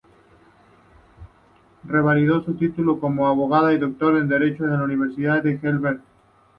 Revalidó su título como abogado y Doctor en Derecho en la Universidad de Heidelberg.